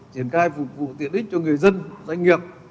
triển khai phục vụ tiện ích cho người dân doanh nghiệp